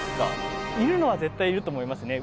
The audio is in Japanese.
いるのは絶対いると思いますね。